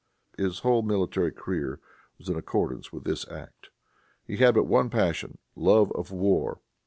His whole military career was in accordance with this act. He had but one passion, love of war.